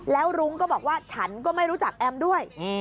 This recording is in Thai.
แล้วรุ้งก็บอกว่าฉันก็ไม่รู้จักแอมด้วย